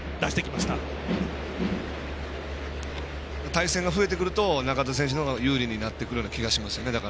対戦が増えてくると中田選手の方が有利になってくる気がしますよね。